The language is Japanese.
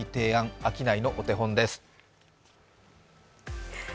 商いのお手本です。